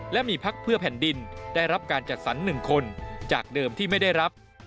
และมีพักเพื่อแผ่นดินได้รับการจัดสรร๑คนจากเดิมที่ไม่ได้รับ